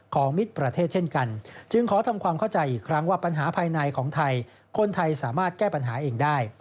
ก็สามารถทำความเข้าใจอีกครั้งว่าปัญหาภายในของไทยคนไทยสามารถแก้ปัญหาเองได้